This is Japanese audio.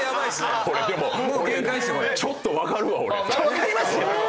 分かります